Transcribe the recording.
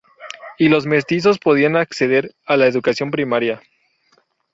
Y los mestizos podían acceder a la educación primaria.